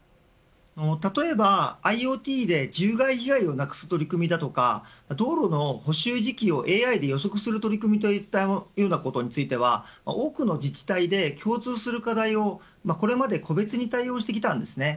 例えばＩｏＴで獣害被害をなくす取り組みや道路の補修時期をＡＩで予測する取り組みといったようなことについては多くの自治体で、共通する課題をこれまで個別に対応してきました。